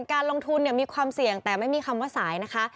การลงทุนมีความเสี่ยงแต่ไม่มีคำว่าสายนะคะ